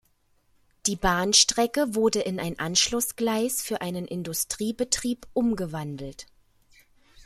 Die Bahnstrecke wurde in ein Anschlussgleis für einen Industriebetrieb umgewandelt.